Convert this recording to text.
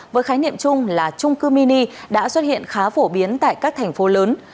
với khái niệm chung là trung cư mini đã xuất hiện khá phổ biến tại các thành phố lớn